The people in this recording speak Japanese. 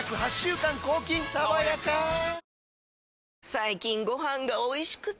最近ご飯がおいしくて！